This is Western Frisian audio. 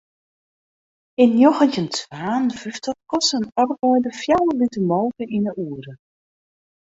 Yn njoggentjin twa en fyftich koste in arbeider fjouwer liter molke yn 'e oere.